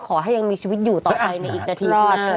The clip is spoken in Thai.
ขอให้ยังมีชีวิตอยู่ต่อไปในอีกนาทีรอด